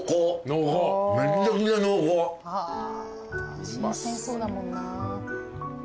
新鮮そうだもんな。